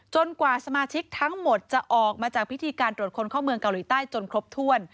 กว่าสมาชิกทั้งหมดจะออกมาจากพิธีการตรวจคนเข้าเมืองเกาหลีใต้จนครบถ้วน